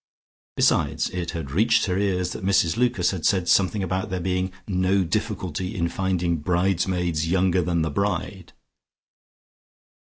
Besides it had reached her ears that Mrs Lucas had said something about there being no difficulty in finding bridesmaids younger than the bride.